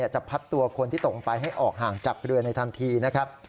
จะพัดตัวคนที่ตกลงไปให้ออกห่างจากเรือในทันทีนะครับ